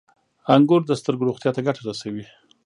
• انګور د سترګو روغتیا ته ګټه رسوي.